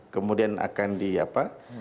kemudian akan di apa